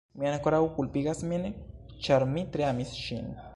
Mi ankoraŭ kulpigas min, ĉar mi tre amis ŝin.